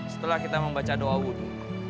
setelah kita membaca doa wudhu